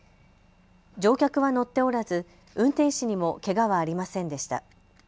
乗客は乗っておらず、運転士にもけがはありませんでした。